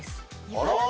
あら？